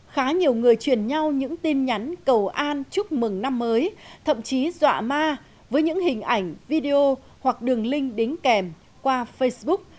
kênh nhắn cầu an chúc mừng năm mới thậm chí dọa ma với những hình ảnh video hoặc đường link đính kèm qua facebook